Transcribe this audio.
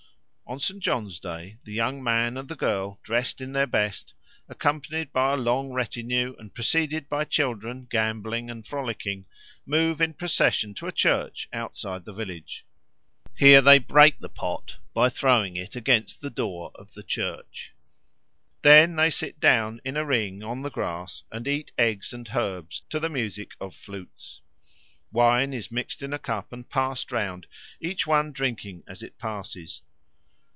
_ On St. John's Day the young man and the girl, dressed in their best, accompanied by a long retinue and preceded by children gambolling and frolicking, move in procession to a church outside the village. Here they break the pot by throwing it against the door of the church. Then they sit down in a ring on the grass and eat eggs and herbs to the music of flutes. Wine is mixed in a cup and passed round, each one drinking as it passes.